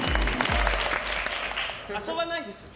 遊ばないですよ。